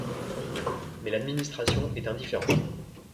Mais l'Administration est indifférente.